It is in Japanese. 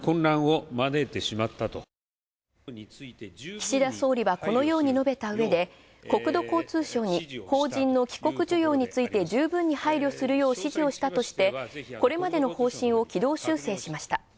岸田総理は、このように述べたうえで国土交通省に邦人の帰国需要について十分配慮するよう指示をしたとして、これまでの方針を軌道修正しました。